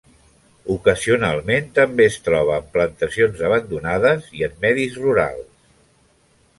Ocasionalment també es troba en plantacions abandonades i en medis ruderals.